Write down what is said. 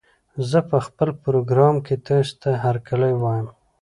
زه په خپل پروګرام کې تاسې ته هرکلی وايم